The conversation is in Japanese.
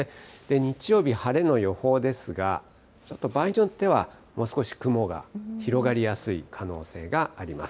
日曜日、晴れの予報ですが、ちょっと場合によってはもう少し雲が広がりやすい可能性があります。